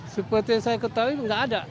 seperti yang saya ketahui nggak ada